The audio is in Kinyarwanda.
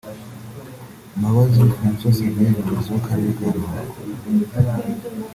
Mbabazi Francoix Xavier umuyobozi w’Akarere ka Ruhango